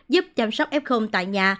giúp chăm sóc f tại nhà